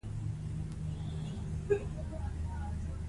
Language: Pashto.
د پریکړې اعلان باید پر وخت وشي.